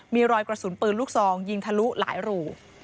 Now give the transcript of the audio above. มีรอยกระสุนปืนลูกซองยิงทะลุหลายรู